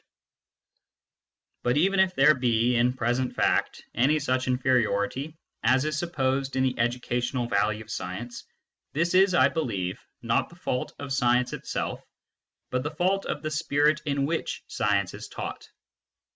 SCIENCE AND CULTURE 35 But even if there be, in present fact, any such in feriority as is supposed in the educational value of science, this is, I believe, not the fault of science itself, but the fault of the spirit in which science is taught.